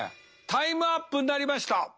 タイムアップになりました。